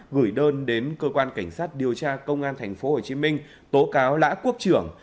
gửi đơn đến cơ quan cảnh sát điều tra công an tp hcm tố cáo lã quốc trưởng